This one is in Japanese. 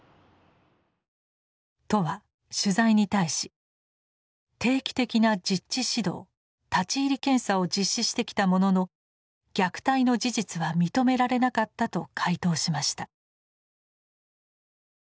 都は取材に対し「定期的な実地指導立入検査を実施してきたものの虐待の事実は認められなかった」と回答しました。